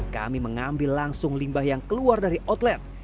kami mengambil langsung limbah yang keluar dari outlet